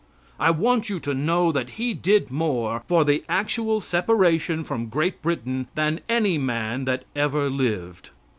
I want you to know that he did more for the actual separation from Great Britain than any man that ever lived.